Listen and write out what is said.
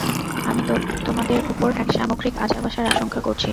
আমি তোমাদের উপর এক সামগ্রিক আযাব আসার আশংকা করছি।